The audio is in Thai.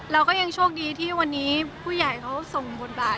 เราก็ยังโชคดีที่วันนี้ผู้ใหญ่เขาส่งบทบาท